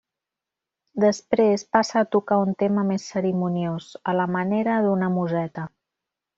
Després passa a tocar un tema més cerimoniós, a la manera d'una museta.